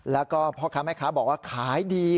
แล้วก็พ่อค้าแม่ค้าบอกว่าขายดี